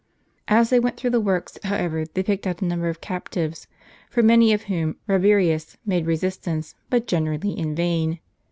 As they went through the works, however, they picked out a number of captives, for many of whom Kabirius made resistance, but generally in vain.